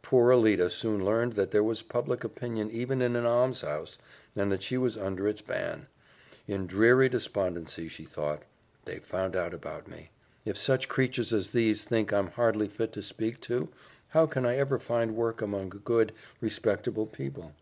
Poor Alida soon learned that there was public opinion even in an almshouse, and that she was under its ban. In dreary despondency she thought, "They've found out about me. If such creatures as these think I'm hardly fit to speak to, how can I ever find work among good, respectable people?"